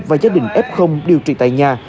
và gia đình f điều trị tại nhà